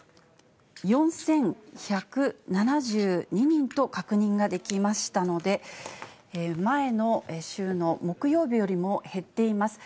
４１７２人と確認ができましたので、前の週の木曜日よりも減っています。